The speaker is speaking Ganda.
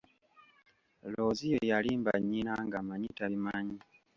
Looziyo yalimba nnyina ng'amanyi tabimanyi.